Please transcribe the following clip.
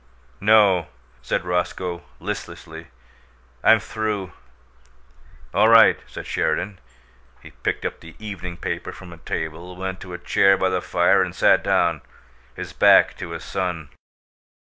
"No," said Roscoe, listlessly. "I'm through." "All right," said Sheridan. He picked up the evening paper from a table, went to a chair by the fire and sat down, his back to his son.